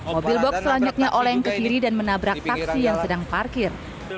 mobil box selanjutnya oleng ke kiri dan menabrak taksi yang sedang parkir